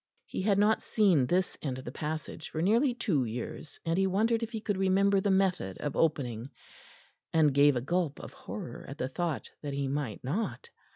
He had not seen this end of the passage for nearly two years, and he wondered if he could remember the method of opening, and gave a gulp of horror at the thought that he might not.